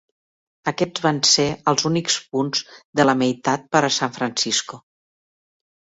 Aquests van ser els únics punts de la meitat per a San Francisco.